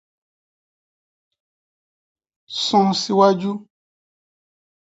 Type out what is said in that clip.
It already appears in Latin sources of the eighth century as Charivius.